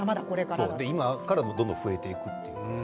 今からどんどん増えていくと。